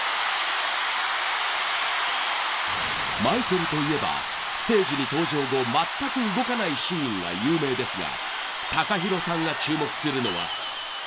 マイケルといえばステージに登場後全く動かないシーンが有名ですがＴＡＫＡＨＩＲＯさんが注目するのは。